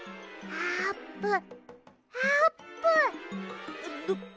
あーぷん？